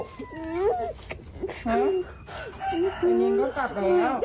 ตอนเย็นก็กลับแล้ว